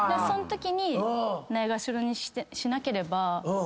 そんときにないがしろにしなければ。